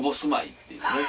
っていう。